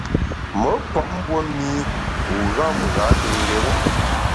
Me nkwet mbue mî u gham ghâ pi ngéru.